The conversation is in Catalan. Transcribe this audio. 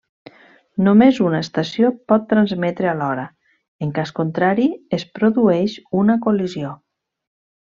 Només una estació pot transmetre alhora, en cas contrari, es produeix una col·lisió.